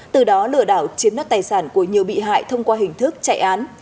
từ đó lừa đảo chiếm nốt tài sản của nhiều bị hại thông qua hình thức chạy án